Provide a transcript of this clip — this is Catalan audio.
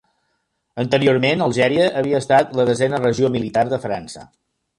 Anteriorment, Algèria havia estat la desena regió militar de França.